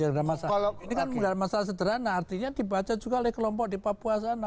ini kan masalah sederhana artinya dibaca juga oleh kelompok di papua sana